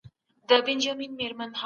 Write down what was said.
غریبان هم پر شتمنو حقونه لري.